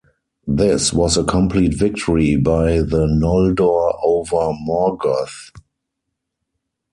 This was a complete victory by the Noldor over Morgoth.